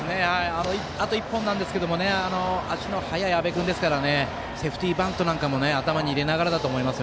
あと１本なんですけど足の速い安部君ですからセーフティーバントなんかも頭に入れながらだと思います。